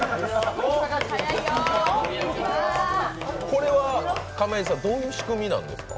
これは亀井さん、どういう仕組みなんですか？